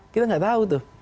kita gak tahu tuh